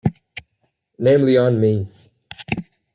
Namely on me!